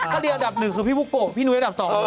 ก็เดียวอันดับหนึ่งคือพี่ปุ๊กโกพี่นุ้ยอันดับสอง